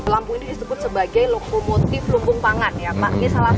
lampung ini disebut sebagai lokomotif lumpung pangan ya pak